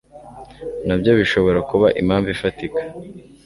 na byo bishobora kuba impamvu ifatika